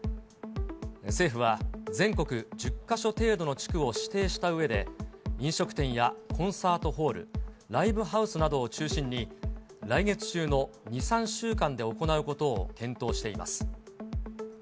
政府は、全国１０か所程度の地区を指定したうえで、飲食店やコンサートホール、ライブハウスなどを中心に、来月中の２、３週間で行うことを検討しています。